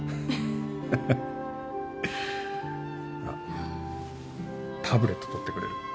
あっタブレット取ってくれる？